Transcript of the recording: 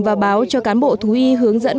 và báo cho cán bộ thú y hướng dẫn